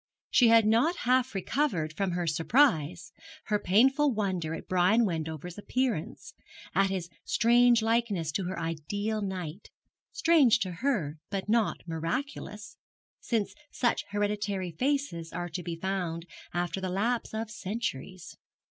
She had not half recovered from her surprise, her painful wonder at Brian Wendover's appearance, at his strange likeness to her ideal knight strange to her, but not miraculous, since such hereditary faces are to be found after the lapse of centuries.